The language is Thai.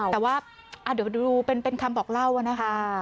แต่ว่าเดี๋ยวดูเป็นคำบอกเล่านะคะ